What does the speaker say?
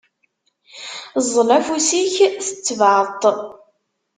Ẓẓel afus-ik, tettebɛeḍ-t.